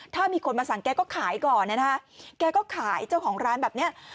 ถ้ามีคนมาสั่งแกก็ขายก่อนนะฮะแกก็ขายเจ้าของร้านแบบเนี้ย